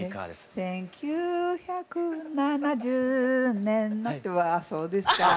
「１９７０年の」ってわあそうですか。